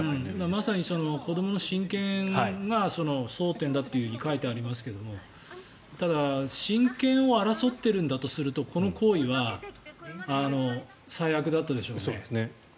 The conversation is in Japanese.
まさに子どもの親権が争点だと書いてありますけどただ、親権を争っているんだとするとこの行為は最悪だったでしょうね。